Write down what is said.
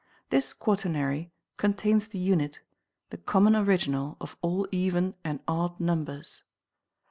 This quaternary contains the unit, the common original of all even and odd numbers.